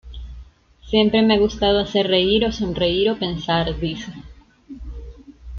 Siempre me ha gustado hacer reír o sonreír o pensar", dice.